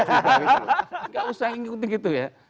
enggak usah ikuti gitu ya